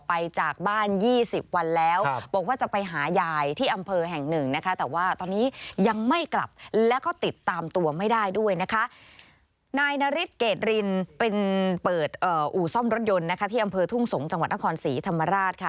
เป็นเปิดอู่ซ่อมรถยนต์ที่อำเภอทุ่งสงส์จังหวัดนครศรีธรรมราช